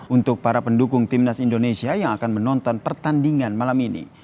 untuk para pendukung timnas indonesia yang akan menonton pertandingan malam ini